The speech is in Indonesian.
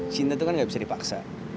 cinta itu kan gak bisa dipaksa